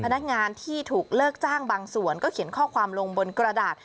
พนักงานที่ถูกเลิกจ้างบางส่วนก็เขียนข้อความลงบนกระดาษ